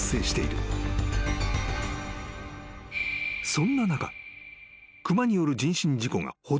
［そんな中］